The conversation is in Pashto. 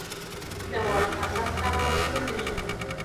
د واک ناسم کارول ستونزې جوړوي